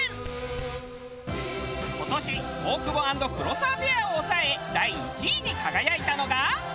今年大久保＆黒沢ペアを抑え第１位に輝いたのが。